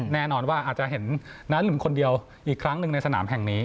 แน่นอนว่าอาจจะเห็นน้าลืมคนเดียวอีกครั้งหนึ่งในสนามแห่งนี้